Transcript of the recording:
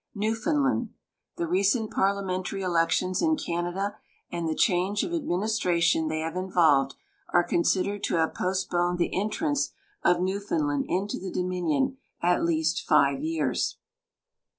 Newfoundland. The recent parliamentary elections in Canada and the change of administration they have involved are considered to have postponed the entrance of Newfoundland into the Dominion at least live years.